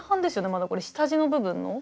まだこれ下地の部分の。